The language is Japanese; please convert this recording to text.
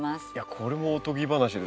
これもおとぎ話ですよね。